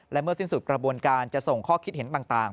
และเมื่อสิ้นสุดกระบวนการจะส่งข้อคิดเห็นต่าง